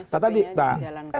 sop nya jalan